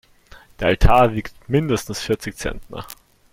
Der Altar wiegt mindestens vierzig Zentner.